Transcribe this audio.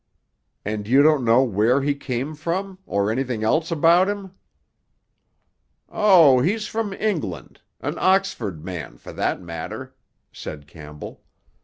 "And you don't know where he came from? Or anything else about him?" "Oh, he's from England—an Oxford man, for that matter," said Campbell.